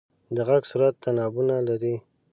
د غږ صورت تنابونه لري.